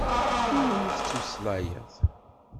Iwumi tettmeslayeḍ?